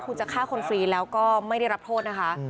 คุณจะฆ่าคนฟรีแล้วก็ไม่ได้รับโทษนะคะ